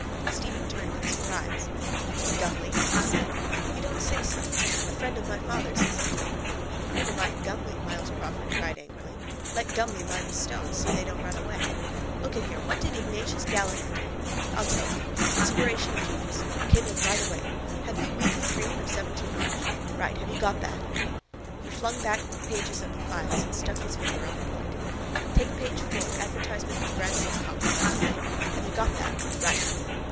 Stephen turned in surprise. —Gumley? he said. You don't say so? A friend of my father's, is it? —Never mind Gumley, Myles Crawford cried angrily. Let Gumley mind the stones, see they don't run away. Look at here. What did Ignatius Gallaher do? I'll tell you. Inspiration of genius. Cabled right away. Have you Weekly Freeman of 17 March? Right. Have you got that? He flung back pages of the files and stuck his finger on a point. —Take page four, advertisement for Bransome's coffee, let us say. Have you got that? Right.